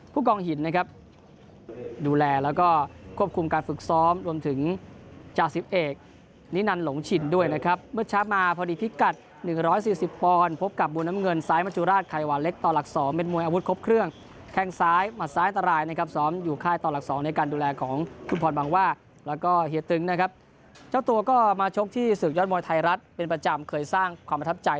ภูกองหินดูแลและควบคุมการฝึกซ้อมรวมถึงจาศิพเอกนินันหลงฉินด้วยเมื่อช้ามาพอดีพิกัด๑๔๐ปอนด์พบกับบูนน้ำเงินซ้ายมจุราชไขวาเล็กต่อหลัก๒แม่นมวยอาวุธครบเครื่องแข่งซ้ายมัดซ้ายตรายสอมอยู่ค่ายต่อหลัก๒ในการดูแลของคุณพรบางว่ากและเฮียตึงเจ้าตัวก็มาชกที่ศึกยอดมวยไ